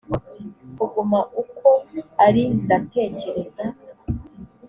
kuguma uko ari ndatekereza